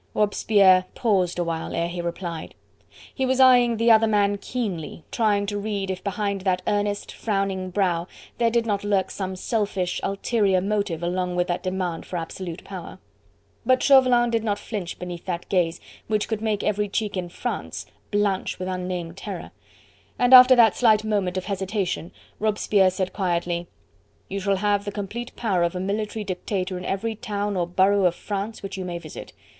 Robespierre paused a while ere he replied; he was eying the other man keenly, trying to read if behind that earnest, frowning brow there did not lurk some selfish, ulterior motive along with that demand for absolute power. But Chauvelin did not flinch beneath that gaze which could make every cheek in France blanch with unnamed terror, and after that slight moment of hesitation Robespierre said quietly: "You shall have the complete power of a military dictator in every town or borough of France which you may visit.